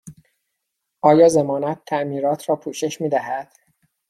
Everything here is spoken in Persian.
آیا ضمانت تعمیرات را پوشش می دهد؟